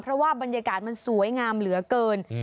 เพราะว่าบรรยากาศมันสวยงามเหลือเกิน